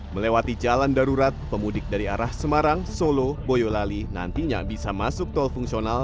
melewati jalan darurat pemudik dari arah semarang solo boyolali nantinya bisa masuk tol fungsional